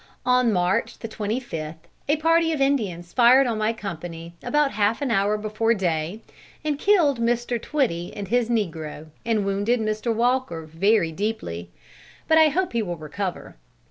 On March the Twenty fifth, a party of Indians fired on my company about half an hour before day, and killed Mr. Twitty and his negro, and wounded Mr. Walker very deeply; but I hope he will recover.